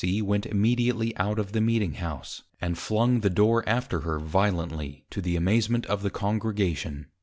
C._ went immediately out of the Meeting House, and flung the Door after her violently, to the amazement of the Congregation.